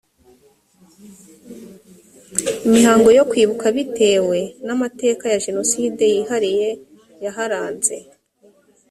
imihango yo kwibuka bitewe n amateka ya jenoside yihariye yaharanze